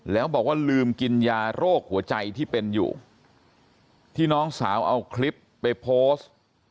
แล้วบอกว่าลืมกินยาโรคหัวใจที่เป็นอยู่ที่น้องสาวเอาคลิปไปโพสต์